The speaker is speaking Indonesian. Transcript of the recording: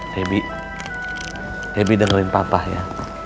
debi debi dengerin papa ya